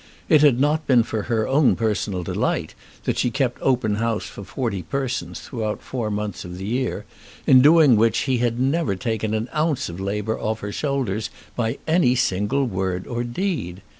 It had not been for her own personal delight that she had kept open house for forty persons throughout four months of the year, in doing which he had never taken an ounce of the labour off her shoulders by any single word or deed!